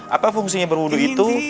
apa fungsinya berwudhu itu